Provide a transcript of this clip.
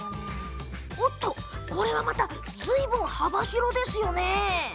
これは、またずいぶん幅広ですね。